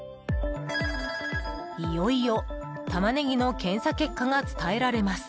いよいよ、タマネギの検査結果が伝えられます。